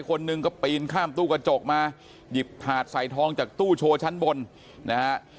คนหนึ่งก็ปีนข้ามตู้กระจกมาหยิบถาดใส่ทองจากตู้โชว์ชั้นบนนะฮะ